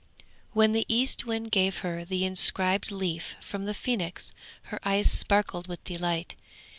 When the Eastwind gave her the inscribed leaf from the Phoenix her eyes sparkled with delight.